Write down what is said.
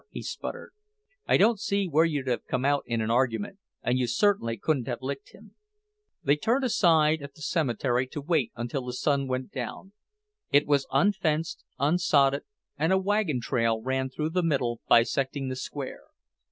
he sputtered. "I don't see where you'd have come out in an argument, and you certainly couldn't have licked him." They turned aside at the cemetery to wait until the sun went down. It was unfenced, unsodded, and a wagon trail ran through the middle, bisecting the square.